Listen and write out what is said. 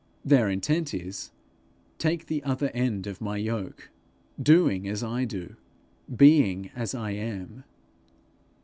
Their intent is, 'Take the other end of my yoke, doing as I do, being as I am.'